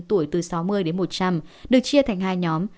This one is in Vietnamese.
tuổi từ sáu mươi đến một trăm linh được chia thành hai nhóm